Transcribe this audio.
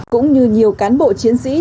cũng như nhiều cán bộ chiến sĩ